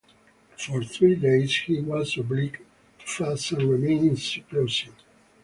For three days he was obliged to fast and remain in seclusion.